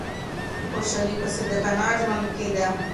خوشحالي په صادقانه ژوند کي ده.